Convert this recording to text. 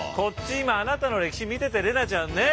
今あなたの歴史見てて怜奈ちゃんねえ？